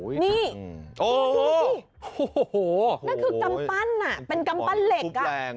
นี่นี่ดูหน่อยสิโอ้โหนั่นคือกำปั้นอ่ะเป็นกำปั้นเหล็กอ่ะ